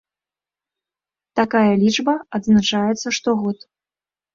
Такая лічба адзначаецца штогод.